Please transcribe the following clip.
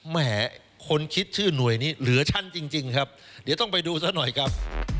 แหมคนคิดชื่อหน่วยนี้เหลือฉันจริงครับเดี๋ยวต้องไปดูซะหน่อยครับ